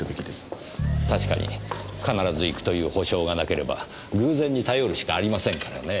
確かに必ず行くという保証がなければ偶然に頼るしかありませんからね。